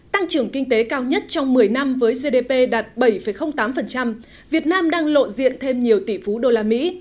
tăng trưởng kinh tế cao nhất trong một mươi năm với gdp đạt bảy tám việt nam đang lộ diện thêm nhiều tỷ phú đô la mỹ